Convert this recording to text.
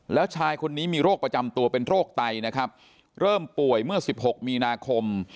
แล้วชายคนนี้มีโรคประจำตัวเป็นโรคไตนะครับเริ่มป่วยเมื่อสิบหกมีนาคม